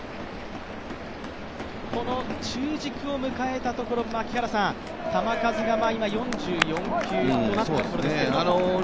この中軸を迎えたところ、球数が今、４４球となったところです。